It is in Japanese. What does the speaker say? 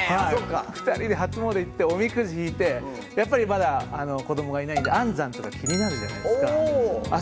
２人で初詣行っておみくじ引いて子供がいないんで安産とか気になるじゃないですか。